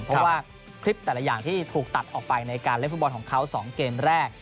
เพราะว่าคลิปแต่ละอย่างที่ถูกตัดออกไปในการเล่นฟุตบอลของเขา๒เกมแรก